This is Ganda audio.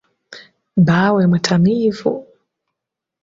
Bbaawe mutamivu.